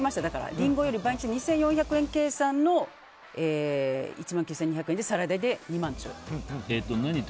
リンゴより倍にして２４００円計算の１万９２００円で皿入れて２万ちょっと。